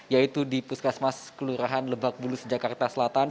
yaitu di puskesmas kelurahan lebak bulus jakarta selatan